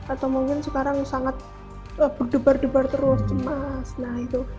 atau mungkin sekarang sangat berdebar debar terus cemas